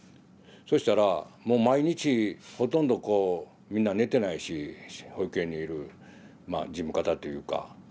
そしたらもう毎日ほとんどこう皆寝てないし保育園にいるまあ事務方というか。